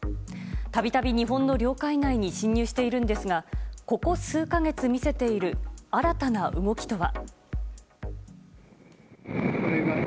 たびたび日本の領海内に侵入しているんですがここ数か月見せている新たな動きとは。